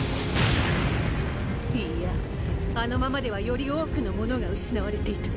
いいやあのままではより多くのものが失われていた。